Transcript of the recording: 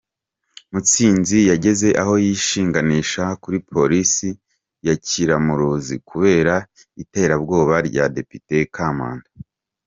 Mutsinzi yageze aho yishinganisha kuri polisi ya Kiramuruzi kubera iterabwoba rya Depute Kamanda.